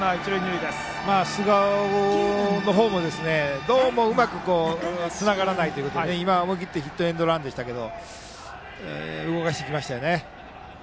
菅生の方もどうもうまくつながらずに今、思い切ってヒットエンドランでしたけども動かしてきましたよね。